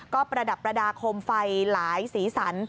ก็ประดับประดาษโคมไฟหลายสีสัน